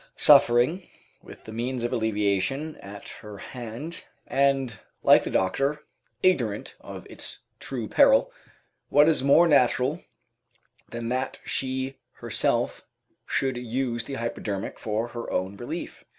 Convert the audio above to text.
Suffering, with the means of alleviation at her hand, and, like the doctor, ignorant of its true peril, what is more natural than that she herself should use the hypodermic for her own relief?